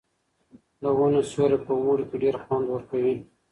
د ونو سیوری په اوړي کې ډېر خوند ورکوي.